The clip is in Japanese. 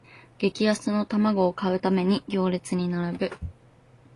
激安の玉子を買うために行列に並ぶ